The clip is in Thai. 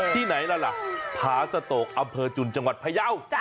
ที่ไหนล่ะผาสโตกอำเภอจุนจังหวัดพยาว